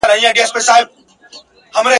خلکو وویل چي جګړه سخته وه.